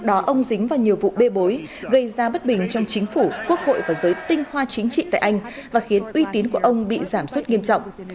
đó ông dính vào nhiều vụ bê bối gây ra bất bình trong chính phủ quốc hội và giới tinh hoa chính trị tại anh và khiến uy tín của ông bị giảm suất nghiêm trọng